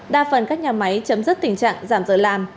đa phần các nhà máy chấm dứt tình trạng giảm giờ làm